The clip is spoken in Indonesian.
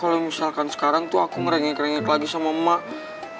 kalau misalkan sekarang tuh aku ngerengek rengek lagi sama emak